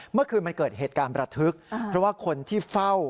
เมื่อคืนมันเกิดเหตุการณ์ประทึกเพราะว่าคนที่เฝ้า